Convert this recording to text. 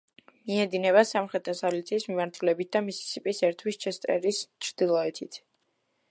მიედინება სამხრეთ-დასავლეთის მიმართულებით და მისისიპის ერთვის ჩესტერის ჩრდილოეთით.